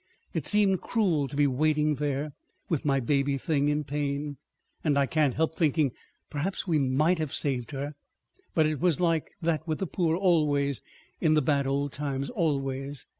It seemed cruel to be waiting there with my baby thing in pain. ... And I can't help thinking perhaps we might have saved her. ... But it was like that with the poor always in the bad old times—always.